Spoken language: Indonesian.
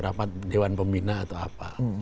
rapat dewan pembina atau apa